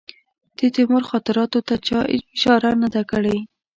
د تیمور خاطراتو ته چا اشاره نه ده کړې.